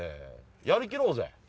やりきろうぜ！